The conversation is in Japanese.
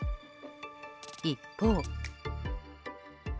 一方。